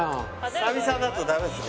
久々だとダメですね。